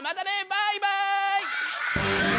バイバイ！